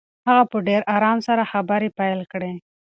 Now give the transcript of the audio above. هغه په ډېر آرام سره خبرې پیل کړې.